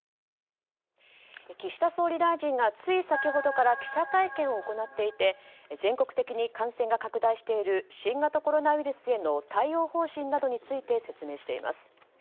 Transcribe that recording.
岸田総理大臣がつい先ほどから記者会見を行っていて全国的に感染が拡大している新型コロナウイルスへの対応方針などについて説明しています。